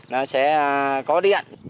nó sẽ có điện